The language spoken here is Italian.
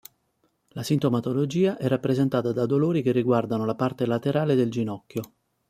La sintomatologia è rappresentata da dolori che riguardano la parte laterale del ginocchio.